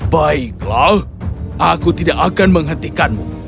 baiklah aku tidak akan menghentikanmu